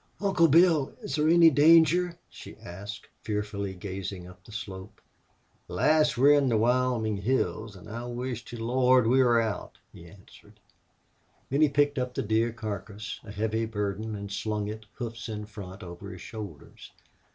"Uncle Bill, is there any danger?" she asked, fearfully gazing up the slope. "Lass, we're in the Wyoming hills, an' I wish to the Lord we was out," he answered. Then he picked up the deer carcass, a heavy burden, and slung it, hoofs in front, over his shoulders.